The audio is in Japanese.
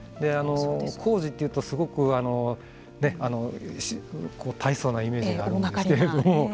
工事というと、すごく大層なイメージがあるんですけれども。